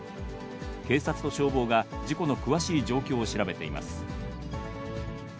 警察と消防が事故の詳しい状況を調べています。